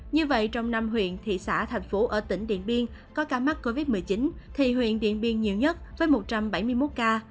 như vậy trong năm huyện thị xã thành phố ở tỉnh điện biên có ca mắc covid một mươi chín thì huyện điện biên nhiều nhất với một trăm bảy mươi một ca